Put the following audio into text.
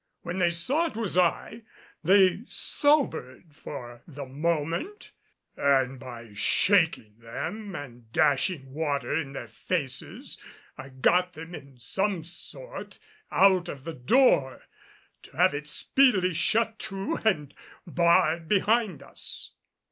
When they saw it was I, they sobered for the moment, and by shaking them and dashing water in their faces I got them in some sort out of the door to have it speedily shut to and barred behind us.